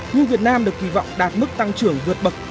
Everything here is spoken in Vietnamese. nhưng việt nam được kỳ vọng đạt mức tăng trưởng vượt bậc